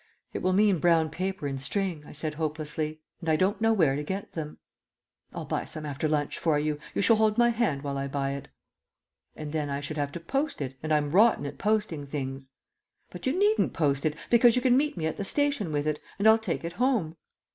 "It will mean brown paper and string," I said hopelessly, "and I don't know where to get them." "I'll buy some after lunch for you. You shall hold my hand while I buy it." "And then I should have to post it, and I'm rotten at posting things." "But you needn't post it, because you can meet me at the station with it, and I'll take it home."